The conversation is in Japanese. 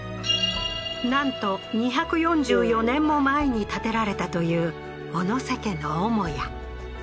なんと二百四十四年も前に建てられたという小野瀬家の母屋